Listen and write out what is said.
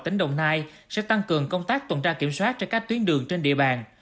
tỉnh đồng nai sẽ tăng cường công tác tuần tra kiểm soát trên các tuyến đường trên địa bàn